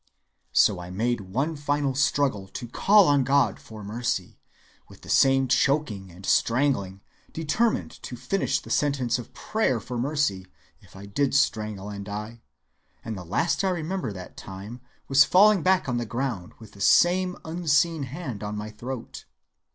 So I made one final struggle to call on God for mercy, with the same choking and strangling, determined to finish the sentence of prayer for Mercy, if I did strangle and die, and the last I remember that time was falling back on the ground with the same unseen hand on my throat.